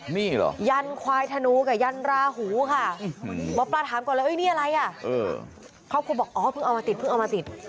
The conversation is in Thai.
มีอะไรอ่ะครอบครัวบอกอ๋อเพิ่งเอามาติด